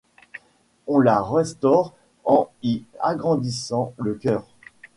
On la restaure en y agrandissant le chœur.